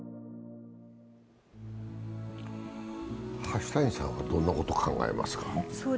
橋谷さんは、どんなこと考えますか？